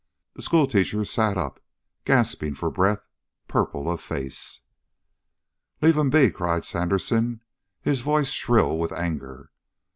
The schoolteacher sat up, gasping for breath, purple of face. "Leave him be!" cried Sandersen, his voice shrill with anger.